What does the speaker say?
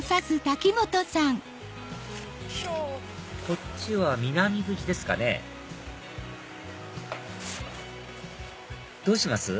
こっちは南口ですかねどうします？